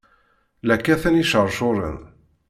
La kkaten iceṛcuṛen!